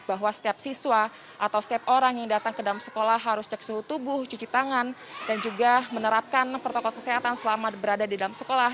bahwa setiap siswa atau setiap orang yang datang ke dalam sekolah harus cek suhu tubuh cuci tangan dan juga menerapkan protokol kesehatan selama berada di dalam sekolah